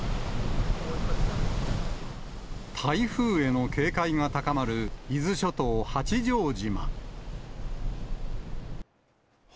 台風への警戒が高まる伊豆諸島・八丈島。